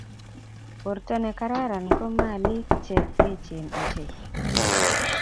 Borto ne kararan ko maliik che echeen ochei.